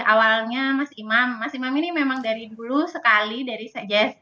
awalnya mas imam mas imam ini memang dari dulu sekali dari saja